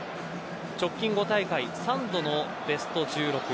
直近５大会、３度のベスト１６。